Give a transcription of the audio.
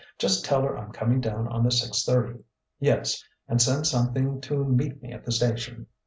Just tell her I'm coming down on the six thirty.... Yes.... And send something to meet me at the station....